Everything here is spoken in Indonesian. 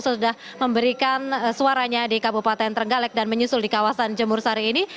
sudah memberikan suaranya di kabupaten trenggalek dan menyusul di kawasan jemur sari ini